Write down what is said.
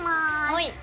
はい。